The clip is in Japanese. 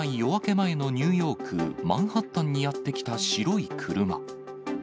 前のニューヨーク・マンハッタンにやって来た白い車。